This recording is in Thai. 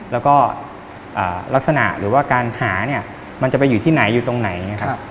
แล้วก็ลักษณะหรือว่าการหามันจะไปอยู่ที่ไหนอยู่ตรงไหน